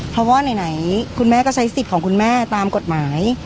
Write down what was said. เพราะว่าไหนคุณแม่ก็ใช้สิทธิ์ของคุณแม่ตามกฎหมาย